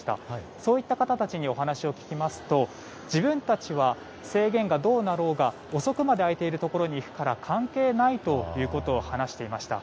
そういった方たちにお話を聞きますと自分たちは制限がどうなろうが遅くまで開いているところに行くから関係ないということを話していました。